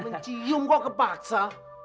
mencium kok kepaksa